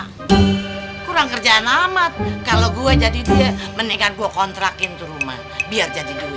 kurang kerjaan amat kalau gue jadi dia mendingan gue kontrakin ke rumah biar jadi dulu